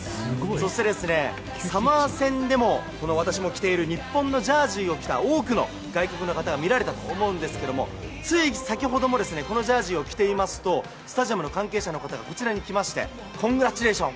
そしてサモア戦でも私も着ている日本のジャージーを着た多くの外国の方が見られたと思うんですがつい先ほどもこのジャージーを着ていますとスタジアムの関係者の方がこちらに来てコングラチュレーション！